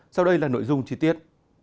sau đây là nội dung chi tiết